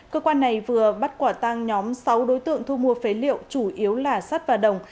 cơ quan này vừa bắt quả tăng nhóm sáu đối tượng thu mua phế liệu chủ yếu là sắt và đồng